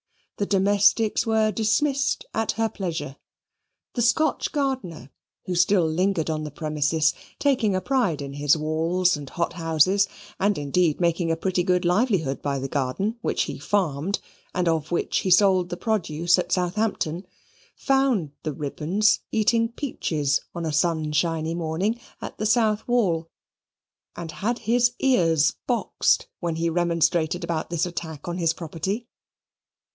The domestics were dismissed at her pleasure. The Scotch gardener, who still lingered on the premises, taking a pride in his walls and hot houses, and indeed making a pretty good livelihood by the garden, which he farmed, and of which he sold the produce at Southampton, found the Ribbons eating peaches on a sunshiny morning at the south wall, and had his ears boxed when he remonstrated about this attack on his property.